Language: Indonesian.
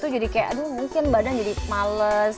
jadi kayak aduh mungkin badan jadi males